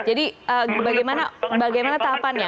jadi bagaimana tahapannya